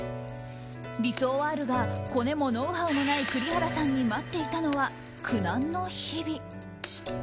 理想はあるがコネもノウハウもない栗原さんに待っていたのは苦難の日々。